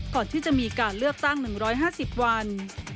ก่อนที่จะมีการเลือกตั้ง๑๕๐วัน